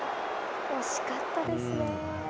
惜しかったですね。